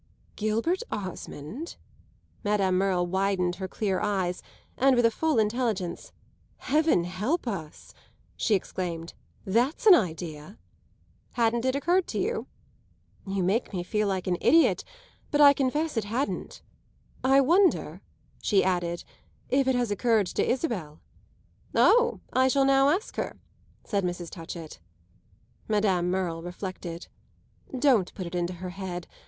"Gilbert Osmond?" Madame Merle widened her clear eyes and, with a full intelligence, "Heaven help us," she exclaimed, "that's an idea!" "Hadn't it occurred to you?" "You make me feel an idiot, but I confess it hadn't. I wonder," she added, "if it has occurred to Isabel." "Oh, I shall now ask her," said Mrs. Touchett. Madame Merle reflected. "Don't put it into her head.